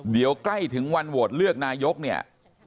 เดี๋ยวใกล้ถึงวันโหวตเลือกนายกเนี่ย